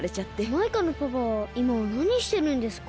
マイカのパパはいまはなにしてるんですか？